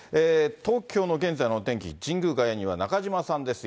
東京の現在のお天気、神宮外苑には中島さんです。